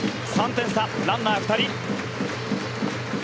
３点差、ランナー２人。